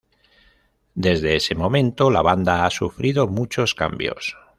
Desde ese momento la banda ha sufrido muchos cambios.